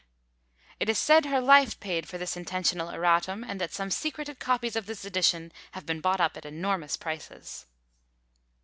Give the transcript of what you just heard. It is said her life paid for this intentional erratum; and that some secreted copies of this edition have been bought up at enormous prices.